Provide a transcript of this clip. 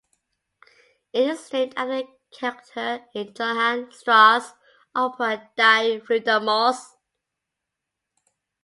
It is named after a character in Johann Strauss's opera "Die Fledermaus".